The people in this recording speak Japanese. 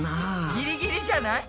ギリギリじゃない？